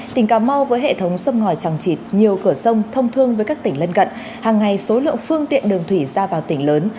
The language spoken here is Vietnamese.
tỉnh cà mau với hệ thống xâm ngòi trọng trịt nhiều cửa sông thông thương với các tỉnh lân gận hàng ngày số lượng phương tiện đường thủy ra vào tỉnh lớn